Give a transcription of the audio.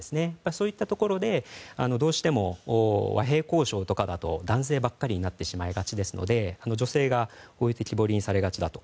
そういったところでどうしても、和平交渉とかだと男性ばかりになってしまいがちですので女性が置いてきぼりにされがちだと。